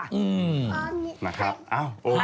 อืมนะครับเอาโอเค